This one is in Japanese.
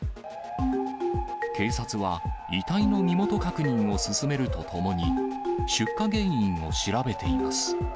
警察は遺体の身元確認を進めるとともに、出火原因を調べています。